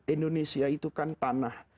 indonesia itu kan tanah